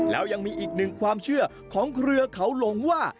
แล้วยังมีอีกหนึ่งความเชื่อของเครือเขาหลงว่า